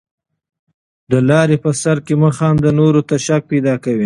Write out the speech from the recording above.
د لاري په سر کښي مه خانده، نورو ته شک پیدا کوې.